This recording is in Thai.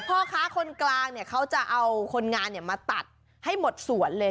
พ่อค้าคนกลางเนี่ยเขาจะเอาคนงานมาตัดให้หมดสวนเลย